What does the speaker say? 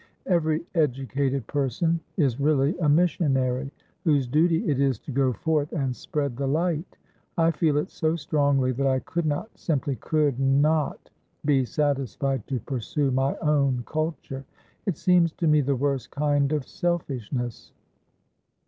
Every educated person is really a missionary, whose duty it is to go forth and spread the light. I feel it so strongly that I could not, simply could not, be satisfied to pursue my own culture; it seems to me the worst kind of selfishness.